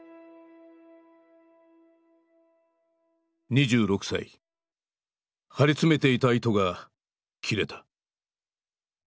２６歳張り詰めていた糸が切れた。